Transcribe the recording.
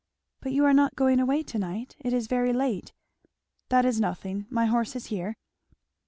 "But you are not going away tonight? It is very late." "That is nothing my horse is here."